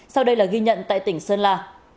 sau đây là ghi nhận tại tỉnh sơn la